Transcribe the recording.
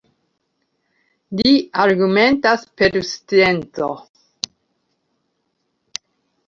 Li argumentas per scienco.